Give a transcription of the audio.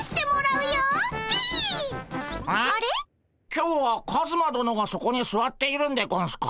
今日はカズマどのがそこにすわっているんでゴンスか？